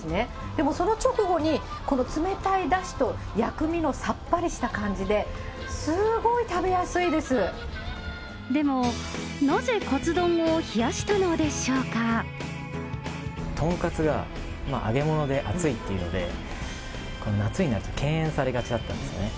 でもその直後に、この冷たいだしと薬味のさっぱりした感じで、すごい食べやすいででも、なぜかつ丼を冷やしたとんかつは、揚げ物で熱いというので、夏になると敬遠されがちだったんですね。